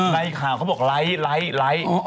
ใต้ขาวเขาบอกไลน์ไลน์ไลน์